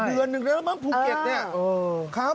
เดือนหนึ่งได้แล้วมั้งภูเก็ตเนี่ยครับ